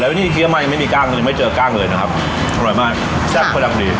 แล้วที่เครียมไม่มีกล้างเลยไม่เจอกล้างเลยนะครับอร่อยมากแซ่บพอดับดี